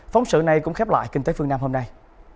phóng sự này cũng khép lại kinh tế phương nam hôm nay